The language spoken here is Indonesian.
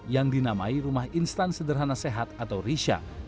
yang dinamai rumah instan sederhana sehat atau risa